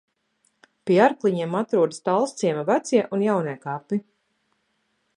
Pie Arkliņiem atrodas Talsciema vecie un jaunie kapi.